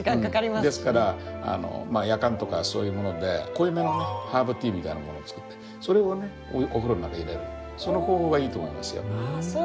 ですからやかんとかそういうもので濃いめのねハーブティーみたいなものを作ってそれをねお風呂の中に入れるその方法がいいと思いますよ。